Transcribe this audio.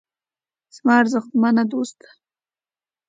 زما ارزښتمن دوسته.